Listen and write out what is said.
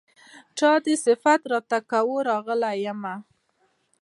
چا دې صفت راته کاوه راغلی يمه